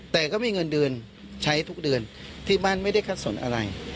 แต่ก็มีเงินเดือนใช้ทุกเดือนที่บ้านไม่ได้คัดสนอะไร